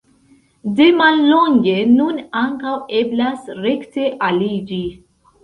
De mallonge nun ankaŭ eblas rekte aliĝi.